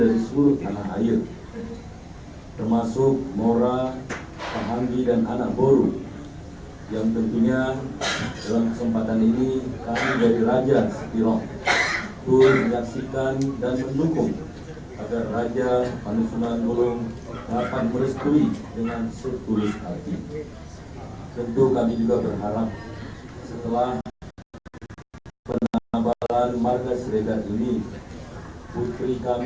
assalamualaikum warahmatullahi wabarakatuh